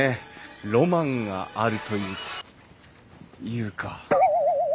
ロマンがあるというか。